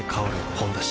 「ほんだし」